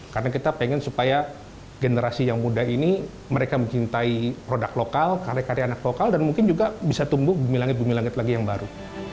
karena kita pengen supaya generasi yang muda ini mereka mencintai produk lokal karya karya anak lokal dan mungkin juga bisa tumbuh bumi langit bumi langit lagi yang baru